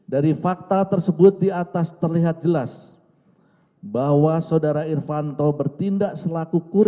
dari fakta tersebut di atas terlihat jelas bahwa saudara irvanto bertindak selaku kurni